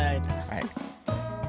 はい。